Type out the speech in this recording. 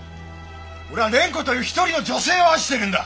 俺は蓮子という一人の女性を愛してるんだ！